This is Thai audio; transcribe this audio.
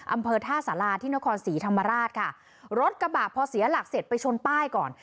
อำเภอท่าสาราที่นครศรีธรรมราชค่ะรถกระบะพอเสียหลักเสร็จไปชนป้ายก่อน